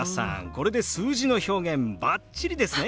これで数字の表現バッチリですね！